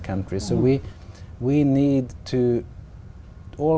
có nhiều người